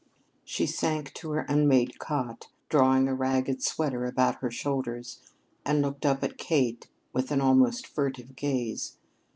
She sank on her unmade cot, drawing a ragged sweater about her shoulders, and looked up at Kate with an almost furtive gaze.